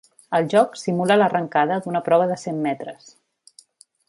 El joc simula l’arrencada d’una prova de cent metres.